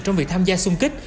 trong việc tham gia xung kích